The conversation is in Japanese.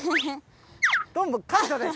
どうも海斗です」。